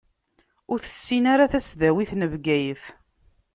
Ur tessin ara tasdawit n Bgayet.